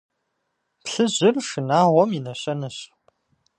Плъыжьыр – шынагъуэм и нэщэнэщ.